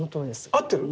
合ってる？